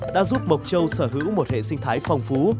đã giúp mộc châu sở hữu một hệ sinh thái phong phú